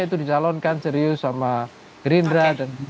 itu dicalonkan serius sama gerindra